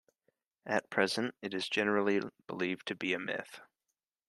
At present, it is generally believed to be a myth.